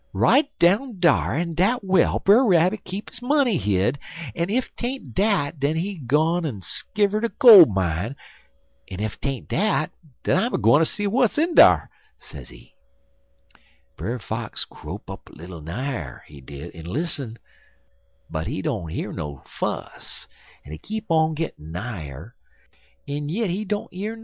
Right down dar in dat well Brer Rabbit keep his money hid, en ef 'tain't dat den he done gone en 'skiver'd a gole mine, en ef 'tain't dat, den I'm a gwineter see w'at's in dar,' sezee. "Brer Fox crope up little nigher, he did, en lissen, but he don't year no fuss, en he keep on gittin' nigher, en yit he don't year nuthin'.